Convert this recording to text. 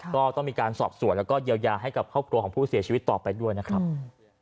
ก็ต้องมีการสอบส่วนแล้วก็เยียวยาให้กับครอบครัวของผู้เสียชีวิตต่อไปด้วยนะครับ